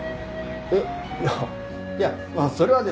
えっいやまあそれはですね。